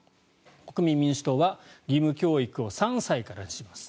国民民主党は義務教育を３歳からにします。